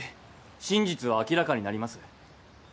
真実は明らかになります。